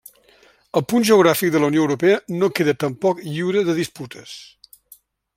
El punt geogràfic de la Unió Europea no queda tampoc lliure de disputes.